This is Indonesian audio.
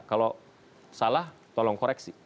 kalau salah tolong koreksi